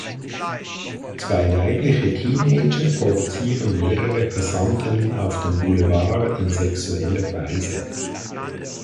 Zwei weibliche Teenager provozieren mehrere Passanten auf dem Boulevard in sexueller Weise.